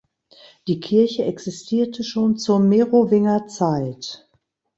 Die Kirche existierte schon zur Merowingerzeit.